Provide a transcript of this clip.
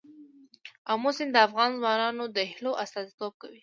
آمو سیند د افغان ځوانانو د هیلو استازیتوب کوي.